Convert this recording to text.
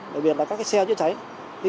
đặc biệt là các xe trịa trái